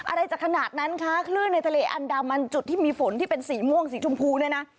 อะไรจะขนาดนั้นคะคลื่นในทะเลอันดามันจุดที่มีฝนที่เป็นสีม่วงสีชมพูเนี่ยนะ